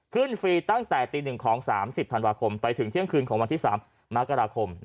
ฟรีตั้งแต่ตี๑ของ๓๐ธันวาคมไปถึงเที่ยงคืนของวันที่๓มกราคม